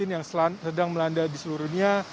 yang sedang melanda di seluruh dunia